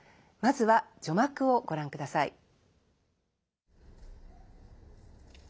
まずは序幕をご覧ください。